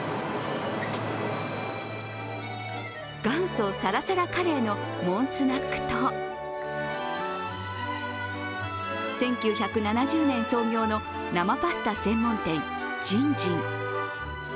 元祖サラサラカレーのモンスナックと１９７０年創業の生パスタ専門店、ジンジン。